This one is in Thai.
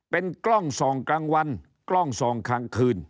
เป็นกล้องส่องกลางวันกล้องส่องกลางคืน